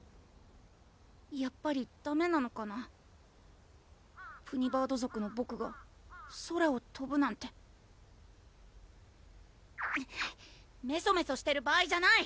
やっぱりダメなのかなプニバード族のボクが空をとぶなんてめそめそしてる場合じゃない！